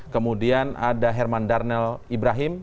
kemudian ada herman darnel ibrahim